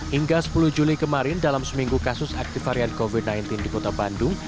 hingga sepuluh juli kemarin dalam seminggu kasus aktif varian covid sembilan belas di kota bandung